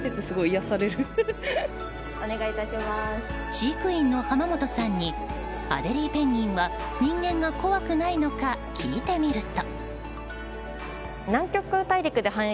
飼育員の濱本さんにアデリーペンギンは人間が怖くないのか聞いてみると。